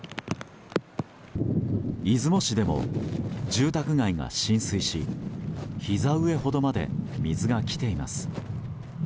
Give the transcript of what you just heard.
出雲市でも住宅街が浸水しひざ上ほどまで水が来ています。